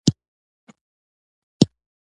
پارلمان ته یې خپل وړاندیزونه ور ولېږل.